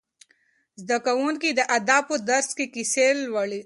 زده کوونکي د ادب په درس کې کیسې لوړي.